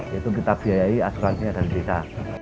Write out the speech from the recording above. yaitu kita biayai asuransinya dari desa